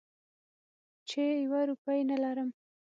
چې یوه روپۍ نه لرم.